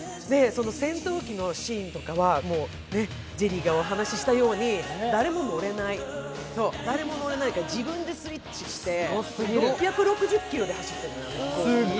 戦闘機のシーンとかは、ジェリーがお話ししたように誰も乗れないから自分でスイッチして、６６０キロで走ってるのよ。